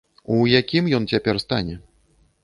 У якім ён цяпер стане?